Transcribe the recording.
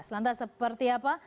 lantas seperti apa